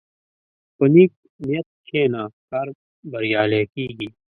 په نیک نیت کښېنه، کار بریالی کېږي.